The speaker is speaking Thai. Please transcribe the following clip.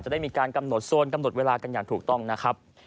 ได้มีการกำหนดโซนกำหนดเวลากันอย่างถูกต้องนะครับ